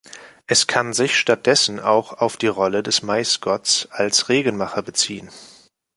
Es kann sich stattdessen auch auf die Rolle des Maisgotts als Regenmacher beziehen.